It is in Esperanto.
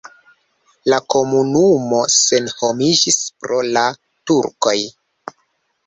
La komunumo senhomiĝis pro la turkoj.